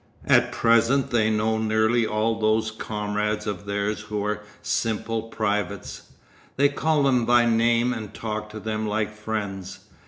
At present they know nearly all those comrades of theirs who are simple privates; they call them by name and talk to them like friends.